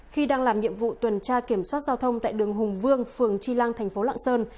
khi đang làm nhiệm vụ tuần tra kiểm soát giao thông tại đường hùng vương phường tri lăng thành phố lạng sơn